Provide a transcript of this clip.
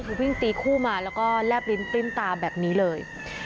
คือวิ่งตีคู่มาแล้วก็แลบลิ้นปลิ้มตาแบบนี้เลย